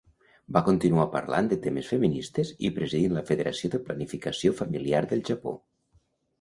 Va continuar parlant de temes feministes i presidint la Federació de Planificació Familiar del Japó.